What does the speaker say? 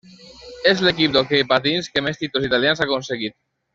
És l'equip d'hoquei patins que més títols italians ha aconseguit.